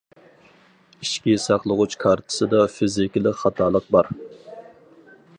ئىچكى ساقلىغۇچ كارتىسىدا فىزىكىلىق خاتالىق بار.